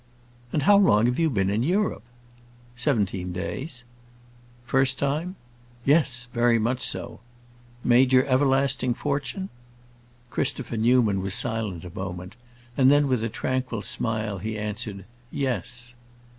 "And how long have you been in Europe?" "Seventeen days." "First time?" "Yes, very much so." "Made your everlasting fortune?" Christopher Newman was silent a moment, and then with a tranquil smile he answered, "Yes."